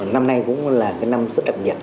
năm nay cũng là năm rất ẩm nhật